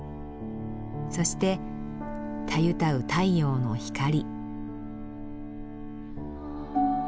そしてたゆたう太陽の光。